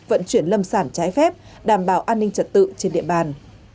vận chuyển lâm sản trái phép đảm bảo an ninh trật tự trên địa bàn